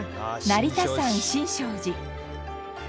成田山新勝寺。